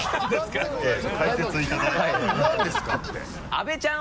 阿部ちゃん